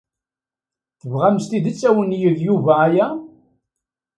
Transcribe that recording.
Tebɣam s tidet ad awen-yeg Yuba aya?